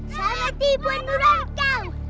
sangat tipu yang durang kau